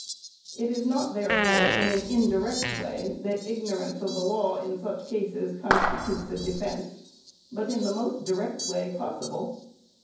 It is not, therefore, in an "indirect way," that ignorance of the law in such cases constitutes a defence, but in the most direct way possible.